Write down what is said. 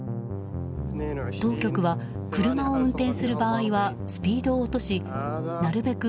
当局は車を運転する場合はスピードを落としなるべく